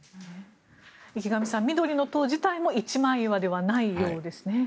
池上さん、緑の党自体も一枚岩ではないようですね。